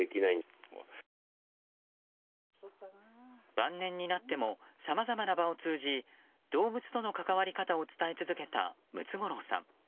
晩年になってもさまざまな場を通じ動物との関わり方を伝え続けたムツゴロウさん。